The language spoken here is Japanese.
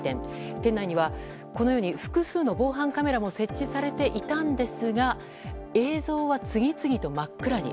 店内には複数の防犯カメラも設置されていたんですが映像は次々と真っ暗に。